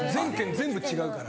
全部違うから。